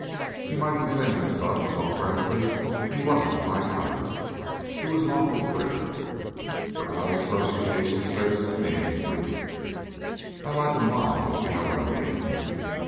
He might be famous but, well, frankly he wasn't my type. He was an awful drip." Her eyes brushed the agent's face meaningfully. "I like 'em live, if you know what I mean."